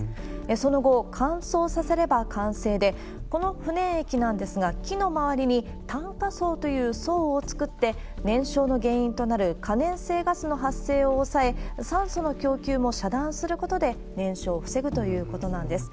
その後、乾燥させれば完成で、この不燃液なんですが、木の周りに炭化層という層を作って、燃焼の原因となる可燃性ガスの発生を抑え、酸素の供給も遮断することで、燃焼を防ぐということなんです。